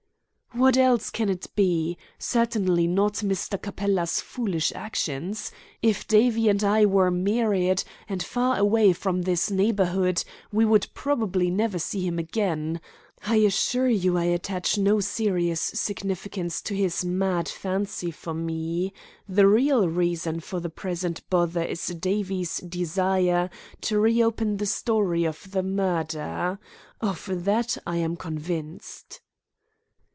"What else can it be? Certainly not Mr. Capella's foolish actions. If Davie and I were married, and far away from this neighbourhood, we would probably never see him again. I assure you I attach no serious significance to his mad fancy for me. The real reason for the present bother is Davie's desire to reopen the story of the murder. Of that I am convinced."